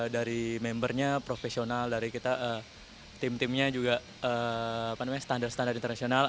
dari membernya profesional dari kita tim timnya juga standar standar internasional